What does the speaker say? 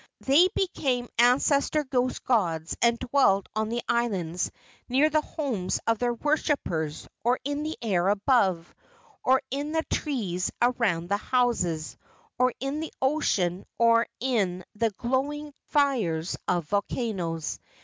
They became ancestor ghost gods and dwelt on the islands near the homes of their worshippers, or in the air above, or in the trees around the houses, or in the ocean or in the gloving fires of volcanoes.